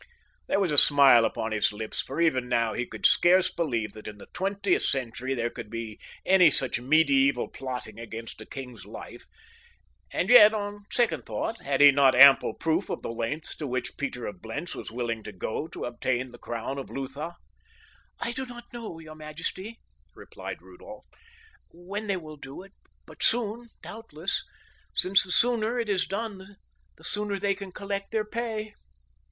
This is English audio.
There was a smile upon his lips, for even now he could scarce believe that in the twentieth century there could be any such medieval plotting against a king's life, and yet, on second thought, had he not ample proof of the lengths to which Peter of Blentz was willing to go to obtain the crown of Lutha! "I do not know, your majesty," replied Rudolph, "when they will do it; but soon, doubtless, since the sooner it is done the sooner they can collect their pay."